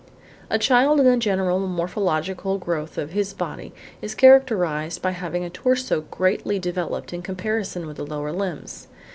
A child in the general morphological growth of his body is characterised by having a torso greatly developed in comparison with the lower limbs.